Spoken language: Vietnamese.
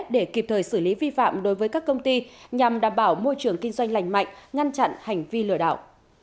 để kịp thời xử lý vi phạm đối với các công ty nhằm đảm bảo môi trường kinh doanh lành mạnh ngăn chặn hành vi lừa đảo